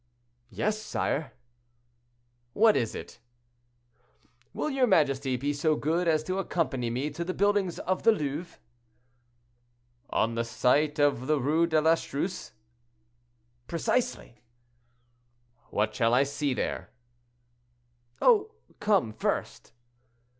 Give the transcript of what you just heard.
"—"Yes, sire." "What is it?" "Will your majesty be so good as to accompany me to the old buildings of the Louvre?" "On the site of the Rue de l'Astruce?" "Precisely." "What shall I see there?" "Oh! come first."